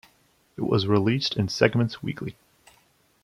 It was released in segments weekly.